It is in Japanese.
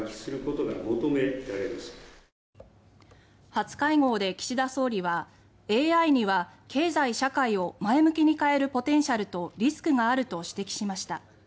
初会合で岸田総理は「ＡＩには経済社会を前向きに変えるポテンシャルとリスクがある」と指摘しました。